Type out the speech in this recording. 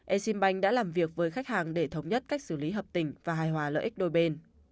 exim bank đã làm việc với khách hàng để thống nhất cách xử lý hợp tình và hài hòa lợi ích đôi bên